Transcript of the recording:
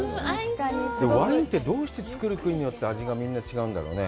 ワインって、どうして造る国によって味が違うんだろうね。